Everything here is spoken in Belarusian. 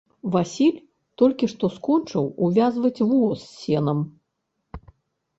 Васіль толькі што скончыў увязваць воз з сенам.